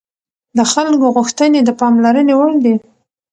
د خلکو غوښتنې د پاملرنې وړ دي